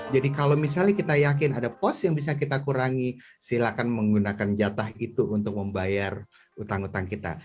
jadi kalau misalnya kita yakin ada pos yang bisa kita kurangi silakan menggunakan jatah itu untuk membayar utang utang kita